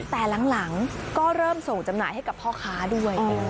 แต่หลังก็เริ่มส่งจำหน่ายให้กับพ่อค้าด้วย